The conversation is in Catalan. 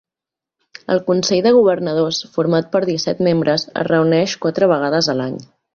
El Consell de Governadors, format per disset membres, es reuneix quatre vegades a l'any.